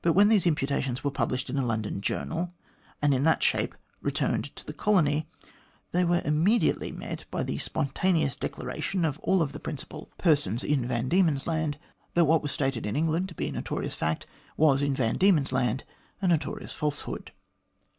But when these imputations were published in a London journal, and in that shape returned to the colony, they were immediately met by the spontaneous declaration of all the principal L 162 THE GLADSTONE COLONY persons in Van Diemen's Land that what was stated in England to be a notorious fact was in Van Diemen's Land a notorious falsehood.